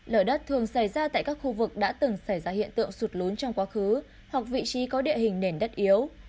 lở đất thường xảy ra tại các khu vực đã từng xảy ra hiện tượng sụt lún trong quá khứ hoặc vị trí có địa hình nền đất yếu